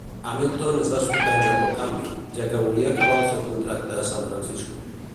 Hamilton es va sorprendre pel canvi, ja que volia acabar el seu contracte a San Francisco.